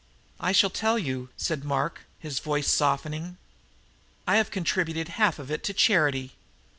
"I shall tell you," said Mark, his voice softening. "I have contributed half of it to charity."